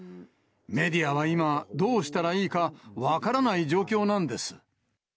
メディアは今、どうしたらいいか、分からない状況なんです。